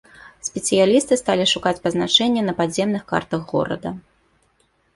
Спецыялісты сталі шукаць пазначэнне на падземных картах горада.